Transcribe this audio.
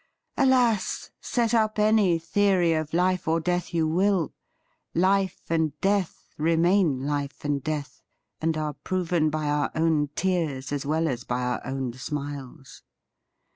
Alas ! set up any theory of life or death you will, life and death remain life and death, and are proven by our own tears as well as by our own smiles.